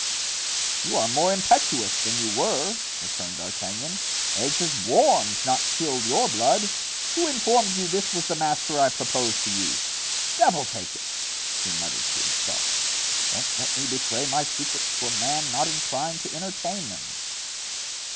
"You are more impetuous than you were," returned D'Artagnan. "Age has warmed, not chilled your blood. Who informed you this was the master I propose to you? Devil take it," he muttered to himself, "don't let me betray my secrets to a man not inclined to entertain them."